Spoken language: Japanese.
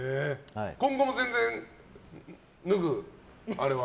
今後も全然、脱ぐあれは。